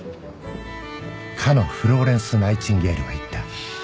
かのフローレンス・ナイチンゲールは言った